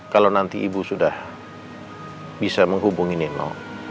kalau nanti ibu sudah bisa menghubungi nino